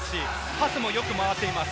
パスもよく回っています。